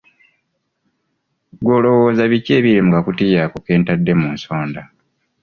Ggwe olowooza biki ebiri mu kakutiya ako ke ntadde mu nsonda?